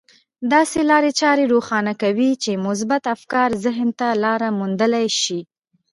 داسې لارې چارې روښانه کوي چې مثبت افکار ذهن ته لاره موندلای شي.